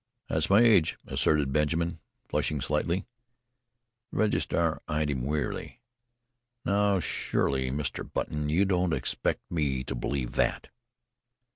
"That's my age," asserted Benjamin, flushing slightly. The registrar eyed him wearily. "Now surely, Mr. Button, you don't expect me to believe that."